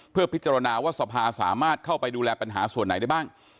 เพื่อพิจารณาว่าสภาสามารถเข้าไปดูแลปัญหาส่วนไหนได้บ้าง